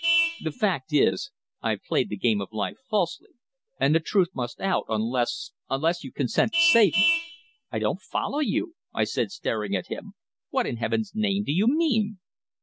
The fact is, I've played the game of life falsely, and the truth must out, unless unless you will consent to save me." "I don't follow you," I said, staring at him. "What in heaven's name do you mean?"